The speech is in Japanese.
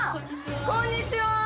こんにちは。